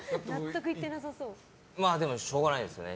でも、しょうがないですね。